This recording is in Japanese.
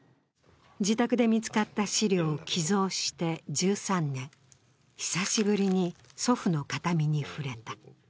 自宅で見つかった資料を寄贈して１３年、久しぶりに祖父の形見に触れた。